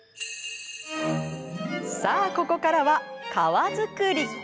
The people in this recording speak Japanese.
さあここからは皮作り。